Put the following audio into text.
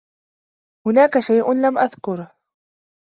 هناك شيء لم أذكره.